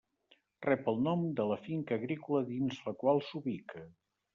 Rep el nom de la finca agrícola dins la qual s'ubica.